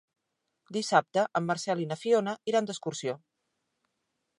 Dissabte en Marcel i na Fiona iran d'excursió.